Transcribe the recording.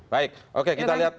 baik oke kita lihat